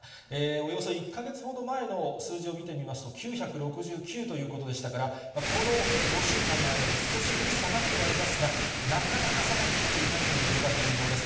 およそ１か月ほど前の数字を見てみますと、９６９ということでしたから、この５週間の間で少しずつ下がってはいますが、なかなか下がりきっていないというのが現状です。